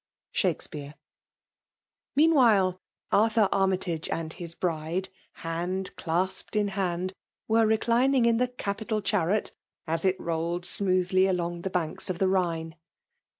SlIAKIPEARS. MKA^WHaK, Arthur Armytage and his bride, hand clasped in hand, were reclining in the " capital charotC' as it rolled smoothly along the banks of the Shine.